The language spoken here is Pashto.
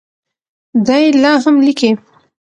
دی لا هم لیکي.